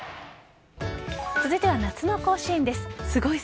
続いては夏の甲子園です。